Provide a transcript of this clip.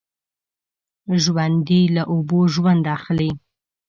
ژوندي له اوبو ژوند اخلي